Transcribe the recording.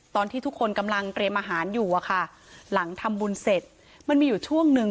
ตอนที่ทุกคนกำลังเตรียมอาหารอยู่อะค่ะหลังทำบุญเสร็จมันมีอยู่ช่วงหนึ่ง